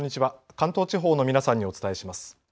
関東地方の皆さんにお伝えします。